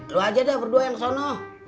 lo aja dah berdua yang sono